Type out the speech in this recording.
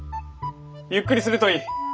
ゆっくりするといい。